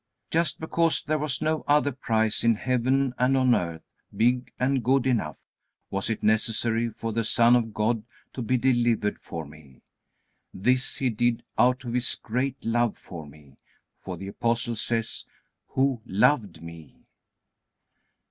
Just because there was no other price in heaven and on earth big and good enough, was it necessary for the Son of God to be delivered for me. This He did out of His great love for me, for the Apostle says, "Who loved me."